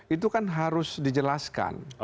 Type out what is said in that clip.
itu kan harus dijelaskan